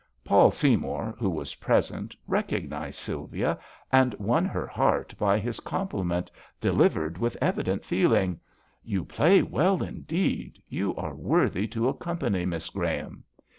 Paul Se3miour, who was pre sent, recognized Sylvia, and won her heart by this compliment, delivered with evident feeling: "You play well indeed; you are worthy to accompany Miss Graham."